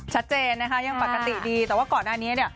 ชัดเจนนะครับยังปรักติดีแต่ว่าก่อนหน้านี้